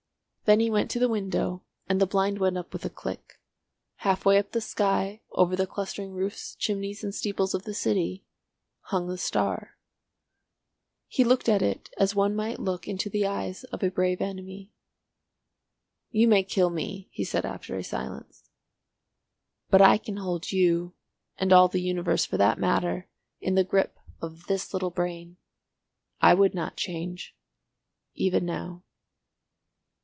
Then he went to the window, and the blind went up with a click. Half way up the sky, over the clustering roofs, chimneys and steeples of the city, hung the star. He looked at it as one might look into the eyes of a brave enemy. "You may kill me," he said after a silence. "But I can hold you—and all the universe for that matter—in the grip of this little brain. I would not change. Even now."